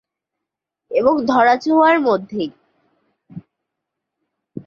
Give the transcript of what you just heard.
এবং ধরা-ছোঁয়ার মধ্যেই।